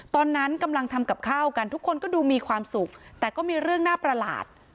ตอนนั้นกำลังทำกับข้าวกันทุกคนก็ดูมีความสุขแต่ก็มีเรื่องน่าประหลาด